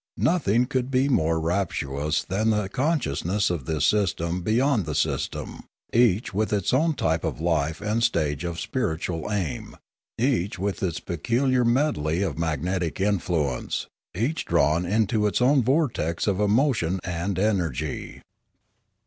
Nothing could be more rapturous than the consciousness of this system beyond system, each with its own type of life and stage of spiritual aim, each with its peculiar medley of magnetic influence, each drawn into its own vortex of emotion and energy.